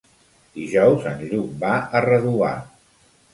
Dijous en Lluc va a Redovà.